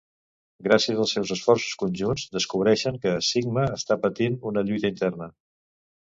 Gràcies als seus esforços conjunts, descobreixen que Sigma està patint una lluita interna.